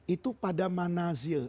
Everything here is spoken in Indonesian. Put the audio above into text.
itu pada manazil